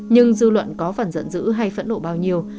nhưng dư luận có phần giận dữ hay phẫn nộ bao nhiêu